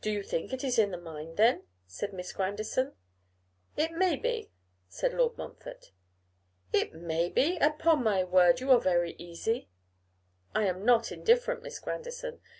'Do you think it is the mind, then?' said Miss Grandison. 'It may be,' said Lord Montford. 'It may be! Upon my word, you are very easy.' 'I am not indifferent, Miss Grandison.